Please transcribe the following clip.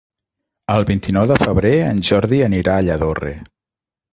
El vint-i-nou de febrer en Jordi anirà a Lladorre.